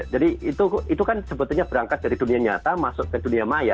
jadi itu kan sebetulnya berangkat dari dunia nyata masuk ke dunia maya